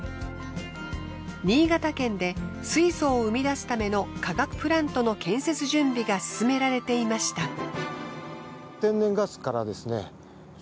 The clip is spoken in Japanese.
新潟県で水素を生み出すための化学プラントの建設準備が進められていました。